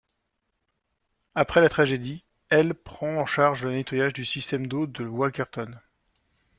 Après la tragédie, l' prend en charge le nettoyage du système d'eau de Walkerton.